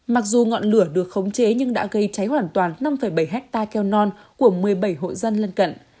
mặc dù ngọn lửa được khống chế nhưng đã gây cháy hoàn toàn năm bảy hectare keo non của một mươi bảy hộ dân lân cận